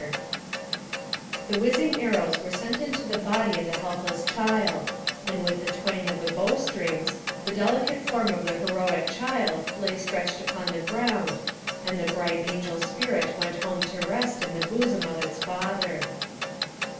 220 NARRATIVE OF CAPTIVITY The whizzing arrows were sent into the body of the helpless child, and with the twang of the bow strings, the delicate form of the heroic child lay stretched upon the ground, and the bright angel spirit went home to rest in the bosom of its Father.